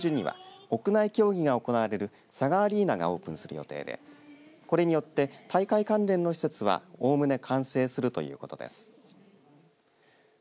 来月上旬には屋内競技が行われるＳＡＧＡアリーナがオープンする予定でこれによって大会関連の施設はおおむね完成するということです。